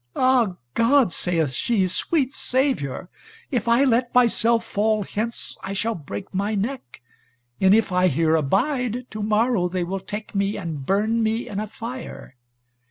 "Ah God," saith she, "sweet Saviour! If I let myself fall hence, I shall break my neck, and if here I abide, to morrow they will take me and burn me in a fire.